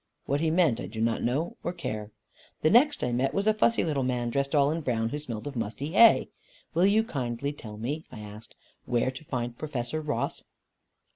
What he meant I do not know or care. The next I met was a fussy little man, dressed all in brown, who smelt of musty hay. "Will you kindly tell me," I asked, "where to find Professor Ross?